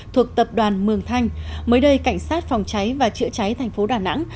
thuộc tập đoàn mường thanh mới đây cảnh sát phòng cháy và chữa cháy thành phố đà nẵng